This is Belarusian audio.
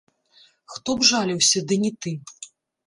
Хто б жаліўся, ды не ты.